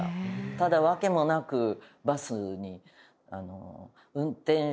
ただ訳もなくバスに。